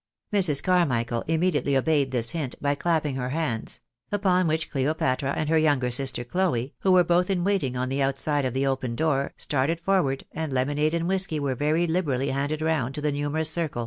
Mrs. Carmichael immediately obeyed this hint by clapping her hands ; upon which Cleopatra and her younger sister Cloe, who were both in waiting on the outside of the open door, started for ward, and lemonade and whisky were very hberally handed round to the numerous circle.